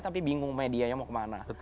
tapi bingung medianya mau kemana